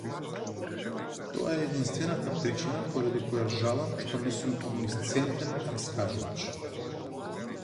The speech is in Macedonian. Тоа е единствената причина поради која жалам што не сум омнисцентен раскажувач.